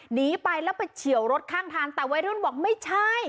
หนีไปแล้วไปเฉียวรถข้างทางแต่วัยรุ่นบอกไม่ใช่